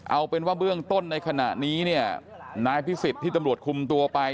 เอาเป็นว่าเบื้องต้นในขณะนี้เนี่ยนายพิสิทธิ์ที่ตำรวจคุมตัวไป